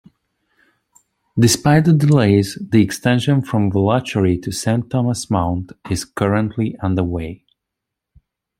Despite the delays, the extension from Velachery to Saint Thomas Mount is currently underway.